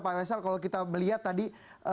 pak faisal kalau kita melihat tadi